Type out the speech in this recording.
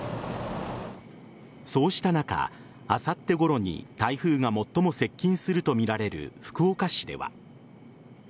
そうした中、あさってごろに台風が最も接近するとみられる福岡市では。